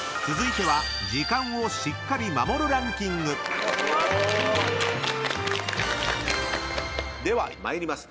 ［続いては］では参ります。